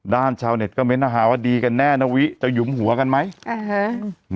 ชาวเน็ตก็เน้นอาหารว่าดีกันแน่นะวิจะหยุมหัวกันไหมอ่าฮะ